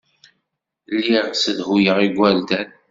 Lliɣ ssedhuyeɣ igerdan.